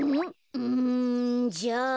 うんじゃあ。